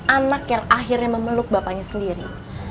anak yang akhirnya memeluk bapaknya sendiri